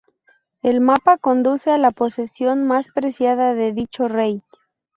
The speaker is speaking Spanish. El mapa conduce a la posesión más preciada de dicho rey.